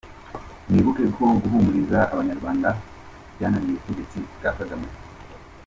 Mwibuke ko guhumuriza abanyarwanda byananiye ubutegetsi bwa Kagame!